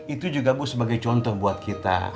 itu juga bu sebagai contoh buat kita